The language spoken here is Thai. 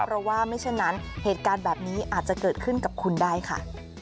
เพราะว่าไม่เช่นนั้นเหตุการณ์แบบนี้อาจจะเกิดขึ้นกับคุณได้ค่ะ